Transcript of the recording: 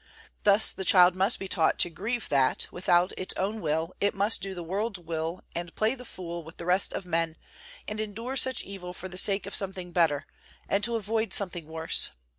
Thus the child must be taught to grieve that, without its own will, it must do the world's will and play the fool with the rest of men, and endure such evil for the sake of something better and to avoid something worse.